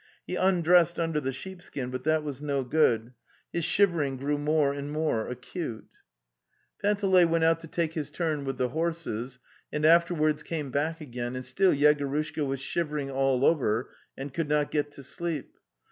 ... He undressed under the sheepskin, but that was no good. His shivering grew more and more acute. 282 The Tales of Chekhov Panteley went out to take his turn with the horses, and afterwards came back again, and still Yego rushka was shivering all over and could not get to sleep.